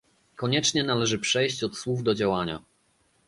Koniecznie należy przejść od słów do działania